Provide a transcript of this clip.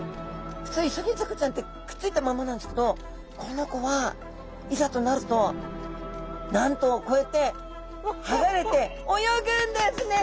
ふつうイソギンチャクちゃんってくっついたままなんですけどこの子はいざとなるとなんとこうやってはがれて泳ぐんですね！